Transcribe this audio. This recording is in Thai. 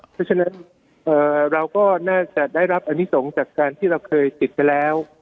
เพราะฉะนั้นเราก็น่าจะได้รับอนิสงฆ์จากการที่เราเคยติดไปแล้ว